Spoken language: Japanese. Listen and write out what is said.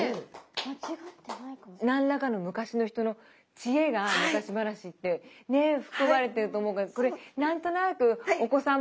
何らかの昔の人の知恵が昔話って含まれてると思うからこれ何となくお子さんもね